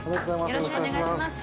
よろしくお願いします。